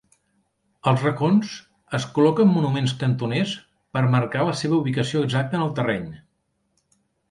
Als racons, es col·loquen "monuments cantoners" per marcar la seva ubicació exacta en el terreny.